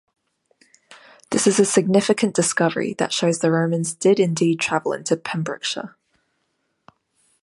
This is a significant discovery that shows the Romans did indeed travel into Pembrokeshire.